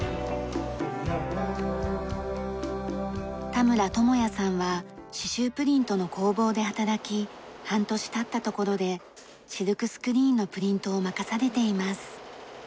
田村直也さんは刺繍プリントの工房で働き半年経ったところでシルクスクリーンのプリントを任されています。